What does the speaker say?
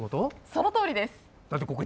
そのとおりです！